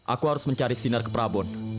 aku harus mencari sinar ke prabun